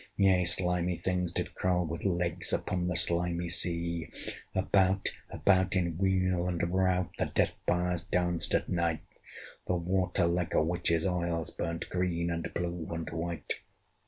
Yea, slimy things did crawl with legs Upon the slimy sea. About, about, in reel and rout The death fires danced at night; The water, like a witch's oils, Burnt green, and blue and white.